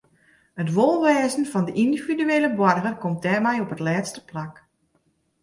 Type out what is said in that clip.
It wolwêzen fan de yndividuele boarger komt dêrby op it lêste plak.